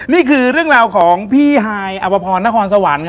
นี่คือเรื่องราวของพี่ฮายอภพรนครสวรรค์